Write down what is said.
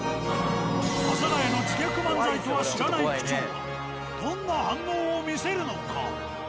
阿佐ヶ谷の自虐漫才とは知らない区長はどんな反応を見せるのか。